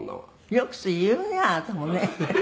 「よくそれ言うねあなたもね」